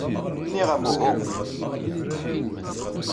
Nniɣ-am uhu.